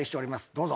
どうぞ。